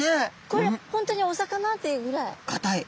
これ本当にお魚？っていうぐらい。